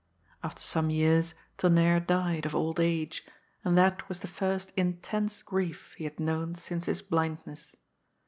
After some years Tonnerre died, of old age, and that was the first intense grief he had known since his blindness.